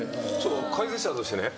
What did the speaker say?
解説者としてね